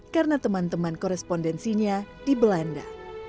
karena teman teman korespondensinya di belanda